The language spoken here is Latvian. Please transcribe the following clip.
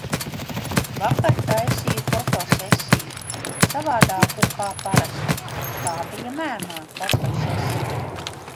Vakar taisīju fotosesiju. Savādāku kā parasti. Tā bija mēmā fotosesija.